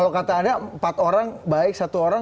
kalau kata anda empat orang baik satu orang